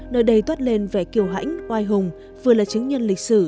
nơi đây toát lên vẻ kiều hãnh oai hùng vừa là chứng nhân lịch sử